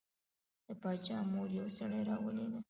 د باچا مور یو سړی راولېږه.